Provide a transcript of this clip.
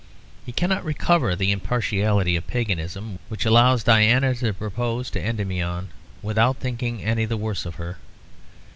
He cannot recover the impartiality of paganism which allowed Diana to propose to Endymion without thinking any the worse of her.